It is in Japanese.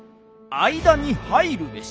間に入るべし」。